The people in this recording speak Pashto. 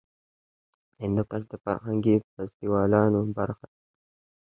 هندوکش د فرهنګي فستیوالونو برخه ده.